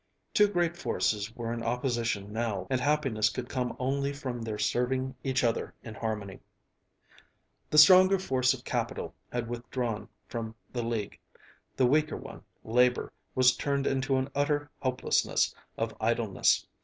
Two great forces were in opposition now, and happiness could come only from their serving each other in harmony. The stronger force of capital had withdrawn from the league; the weaker one, labor, was turned into an utter helplessness of idleness.